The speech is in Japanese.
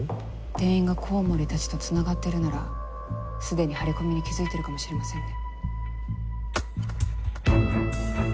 店員がコウモリたちとつながってるならすでに張り込みに気付いてるかもしれませんね。